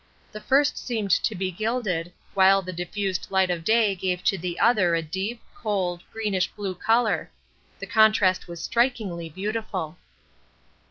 The first seemed to be gilded, while the diffused light of day gave to the other a deep, cold, greenish blue colour the contrast was strikingly beautiful.